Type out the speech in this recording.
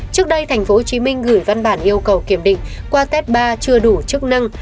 trước đây tp hcm gửi văn bản yêu cầu kiểm định qua tép ba chưa đủ chức năng